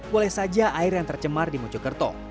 boleh saja air yang tercemar dimuncul kerto